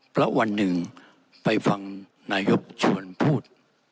เพราะวันหนึ่งไปฟังนายกชวนพูด